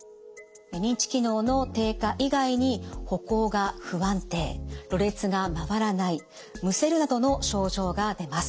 認知機能の低下以外に歩行が不安定ろれつがまわらないむせるなどの症状が出ます。